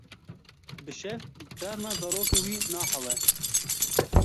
Bi şev carna zarokê wî nahewe.